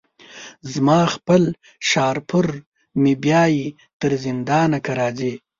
زما خپل شهپر مي بیايي تر زندانه که راځې